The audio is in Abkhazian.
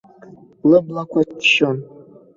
Лыблақәа ччон.